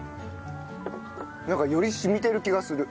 なんかより染みてる気がする。